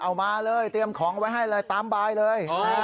เอามาเลยเตรียมของไว้ให้เลยตามบายเลย